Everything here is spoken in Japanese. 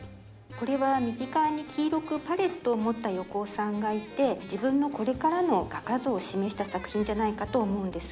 これは右側に黄色くパレットを持った横尾さんがいて自分のこれからの画家像を示した作品じゃないかと思うんです。